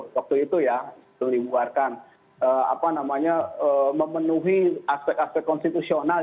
waktu itu ya terlibatkan memenuhi aspek aspek konstitusional